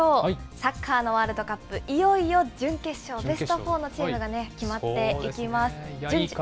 サッカーのワールドカップ、いよいよ準決勝、ベスト４のチームが決まっていきます。